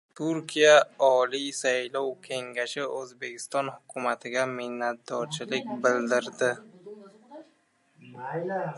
Turkiya Oliy saylov kengashi O‘zbekiston hukumatiga minnatdorchilik bildirdi